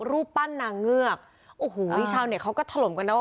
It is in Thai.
รูปปั้นนางเงือกโอ้โหชาวเน็ตเขาก็ถล่มกันนะว่า